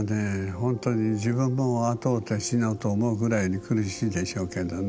ほんとに自分も後を追って死のうと思うぐらいに苦しいでしょうけどね。